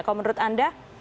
kau menurut anda